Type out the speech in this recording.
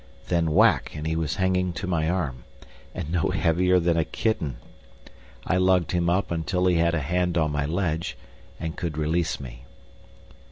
Then whack and he was hanging to my arm—and no heavier than a kitten! I lugged him up until he had a hand on my ledge, and could release me.